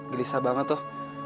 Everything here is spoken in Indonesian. gelisah banget tuh